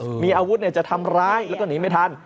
คนร้านมีอาวุธจะทำร้ายที่นนีไม่ทัน